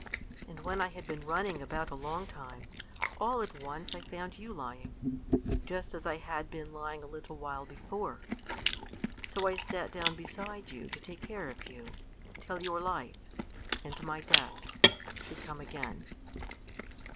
And when I had been running about a long time, all at once I found you lying, just as I had been lying a little while before. So I sat down beside you to take care of you, till your life and my death should come again."